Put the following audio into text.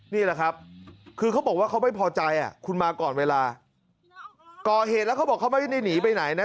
นี่แหละครับคือเขาบอกว่าเขาไม่พอใจคุณมาก่อนเวลาก่อเหตุแล้วเขาบอกเขาไม่ได้หนีไปไหนนะ